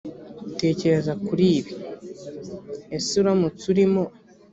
tekereza kuri ibi ese uramutse urimo